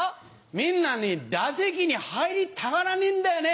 みんなね打席に入りたがらねえんだよね。